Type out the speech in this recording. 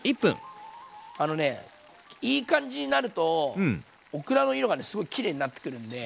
あのねいい感じになるとオクラの色がねすごいきれいになってくるんで。